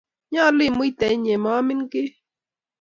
Nyaalu imuiten inye maamin kiy.